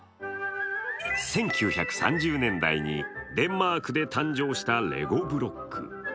１９３０年代にデンマークで誕生したレゴブロック。